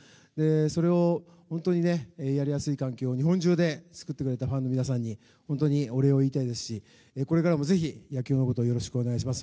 それをやりやすい環境を日本中で作ってくれたファンの皆さんに本当にお礼を言いたいですしこれからも、ぜひ野球のことをよろしくお願いします。